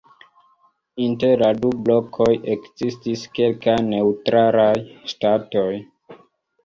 Inter la du blokoj ekzistis kelkaj neŭtralaj ŝtatoj.